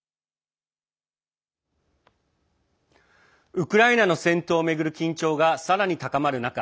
ウクライナの戦闘を巡る緊張がさらに高まる中